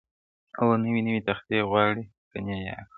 o نوي نوي تختې غواړي کنې یاره ,